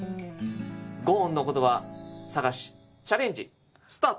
「五音」の言葉探しチャレンジスタート！